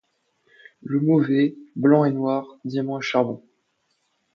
Le mauvais, blanc et noir, diamant et charbon